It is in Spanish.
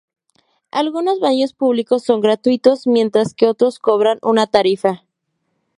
Algunos baños públicos son gratuitos, mientras que otros cobran una tarifa.